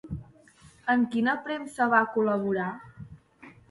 En quina premsa va col·laborar?